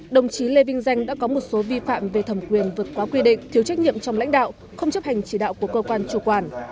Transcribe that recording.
đồng chí lê vinh danh đã có một số vi phạm về thẩm quyền vượt quá quy định thiếu trách nhiệm trong lãnh đạo không chấp hành chỉ đạo của cơ quan chủ quản